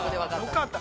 ◆よかった。